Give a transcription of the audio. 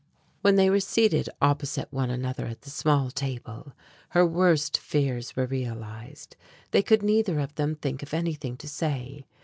When they were seated opposite one another at the small table, her worst fears were realized. They could neither of them think of anything to say.